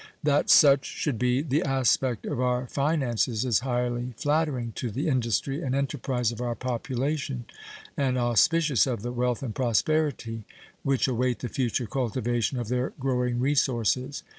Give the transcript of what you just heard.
That such should be the aspect of our finances is highly flattering to the industry and enterprise of our population and auspicious of the wealth and prosperity which await the future cultivation of their growing resources.